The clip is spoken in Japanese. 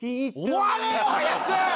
終われよ早く！